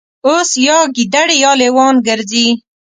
اوس یا ګیدړې یا لېوان ګرځي